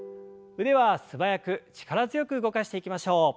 腕は素早く力強く動かしていきましょう。